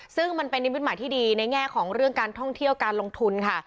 ซึ่งมันเป็นนิมิตหมายที่ดีในแง่ของเรื่องการท่องเที่ยวการลงทุนค่ะ